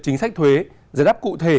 chính sách thuế giải đáp cụ thể